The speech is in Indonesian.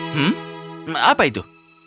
hmm apa itu